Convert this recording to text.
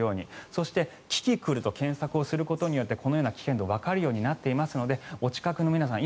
そして、キキクルと検索することによってこのような危険度もわかるようになっていますのでお近くの皆さん